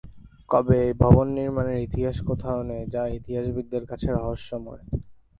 কবে এই ভবন নির্মাণের ইতিহাস কোথাও নেই যা ইতিহাসবিদদের কাছে রহস্যময়।